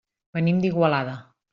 Venim d'Igualada.